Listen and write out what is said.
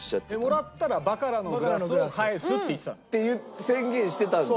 もらったらバカラのグラスを返すって言ってたの。って宣言してたんです。